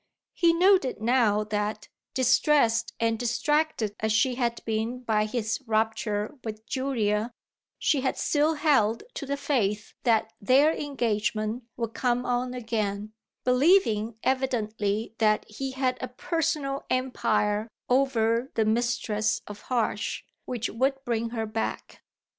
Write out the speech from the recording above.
He noted now that, distressed and distracted as she had been by his rupture with Julia, she had still held to the faith that their engagement would come on again; believing evidently that he had a personal empire over the mistress of Harsh which would bring her back.